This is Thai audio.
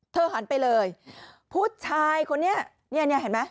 หันไปเลยผู้ชายคนนี้เนี่ยเห็นไหม